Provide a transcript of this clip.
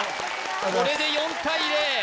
これで４対０